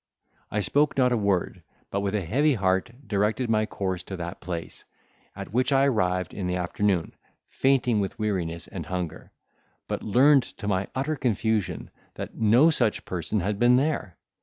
I spoke not a word, but with a heavy heart directed my course to that place, at which I arrived in the afternoon, fainting with weariness and hunger; but learned to my utter confusion, that no such person had been there!